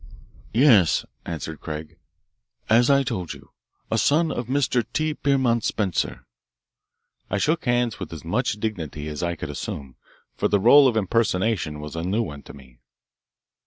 "Yes," answered Craig, "as I told you, a son of Mr. T. Pierpont Spencer." I shook hands with as much dignity as I could assume, for the role of impersonation was a new one to me.